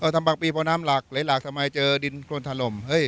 ทำปากปีเพราะน้ำหลากหลายหลากทำไมเจอดินโครนทานลม